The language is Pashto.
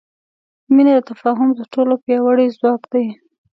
مینه د تفاهم تر ټولو پیاوړی ځواک دی.